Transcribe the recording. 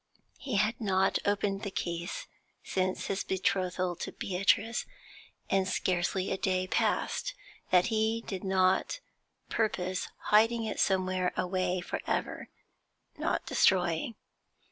He had not opened the case since his betrothal to Beatrice, and scarcely a day passed that he did not purpose hiding it somewhere away for ever not destroying.